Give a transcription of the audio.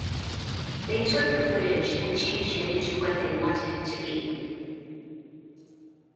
They took the footage and changed it into what they wanted it to be.